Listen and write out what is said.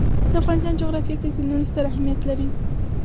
د افغانستان جغرافیه کې سیندونه ستر اهمیت لري.